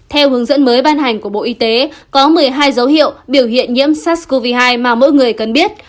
theo hướng dẫn mới ban hành của bộ y tế có một mươi hai dấu hiệu biểu hiện nhiễm sars cov hai mà mỗi người cần biết